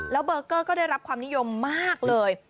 แล้วเบอร์เกอร์ก็ได้รับความนิยมมากเลย